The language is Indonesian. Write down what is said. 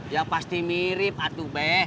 ya pasti mirip aduh be